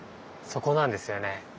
そこなんですよね。